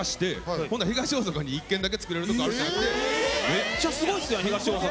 めっちゃすごいっすやん東大阪。